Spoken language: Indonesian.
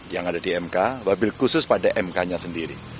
yang ada di mk wabil khusus pada mk nya sendiri